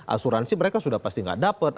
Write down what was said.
asuransi mereka sudah pasti nggak dapat